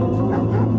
aku mau ke rumah